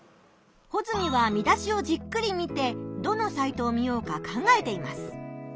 ホズミは見出しをじっくり見てどのサイトを見ようか考えています。